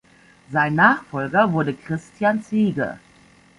Sein Nachfolger wurde Christian Ziege.